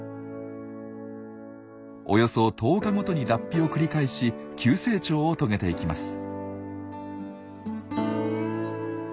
およそ１０日ごとに脱皮を繰り返し急成長を遂げていきます。